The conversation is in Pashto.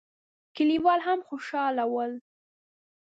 کليوال هم خوشاله ول.